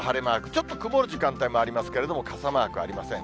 ちょっと曇る時間帯もありますけれども、傘マークありません。